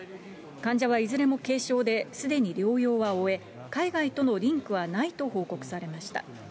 患者はいずれも軽症で、すでに療養は終え、海外とのリンクはないと報告されました。